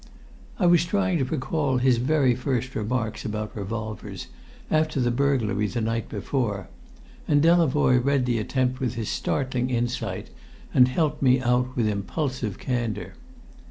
I was trying to recall his very first remarks about revolvers, after the burglary the night before. And Delavoye read the attempt with his startling insight, and helped me out with impulsive candour.